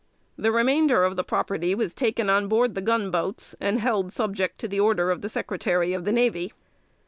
The remainder of the property was taken on board the gun boats, and held subject to the order of the Secretary of the Navy.